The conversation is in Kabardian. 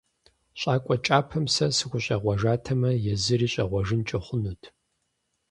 ЩӀакӀуэ кӀапэм сэ сыхущӀегъуэжатэмэ, езыри щӀегъуэжынкӀэ хъунут.